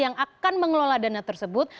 yang akan mengelola dana tersebut